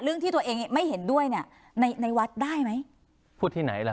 ที่ตัวเองไม่เห็นด้วยเนี่ยในในวัดได้ไหมพูดที่ไหนล่ะ